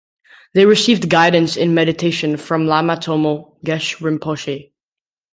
They received guidance in meditation from Lama Tomo Geshe Rimpoche.